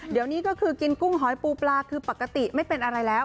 เดี๋ยวนี้ก็คือกินกุ้งหอยปูปลาคือปกติไม่เป็นอะไรแล้ว